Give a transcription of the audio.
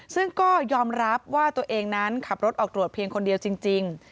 ซึ่งก็ยอมรับว่าตัวเองนั้นขับรถออกตรวจเพียงคนเดียวจริง